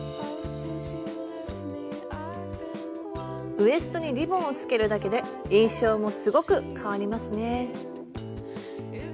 ウエストにリボンをつけるだけで印象もすごく変わりますね。